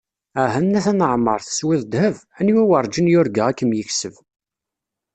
Ah! a Nna Taneɛmart, teswiḍ ddheb! Aniwa werǧin yurga ad kem-yekseb.